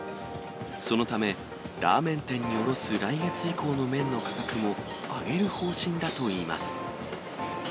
そのため、ラーメン店に卸す来月以降の麺の価格も、上げる方針だといいます。